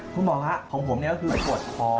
คุณหมอครับของผมนี้คืออาวุธทอ